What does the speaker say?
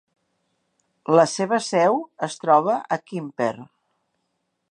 La seva seu es troba a Quimper.